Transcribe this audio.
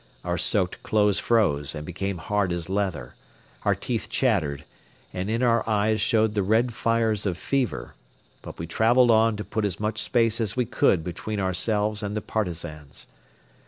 Our soaked clothes froze and became hard as leather; our teeth chattered; and in our eyes showed the red fires of fever: but we traveled on to put as much space as we could between ourselves and the Partisans.